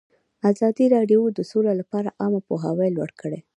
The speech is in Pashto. ازادي راډیو د سوله لپاره عامه پوهاوي لوړ کړی.